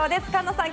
菅野さん